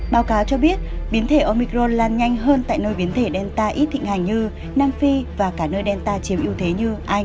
báo cáo cho biết biến thể omicron lan nhanh hơn tại nơi biến thể delta ít thịnh hành như nam phi và cả nơi delta chiếm ưu thế như